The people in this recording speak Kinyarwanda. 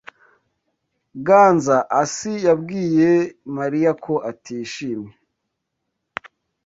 Ganzaasi yabwiye Mariya ko atishimye.